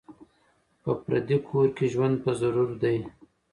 په پردي کور کي ژوند په ضرور دی